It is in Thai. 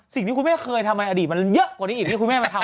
สิ่งที่คุณแม่เคยทำไมอดีตมันเยอะกว่านี้อีกที่คุณแม่มาทำ